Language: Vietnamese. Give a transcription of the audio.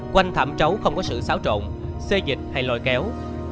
quanh thảm trấu không có sự xáo trộn xê dịch hay lòi kéo